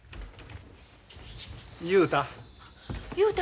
雄太。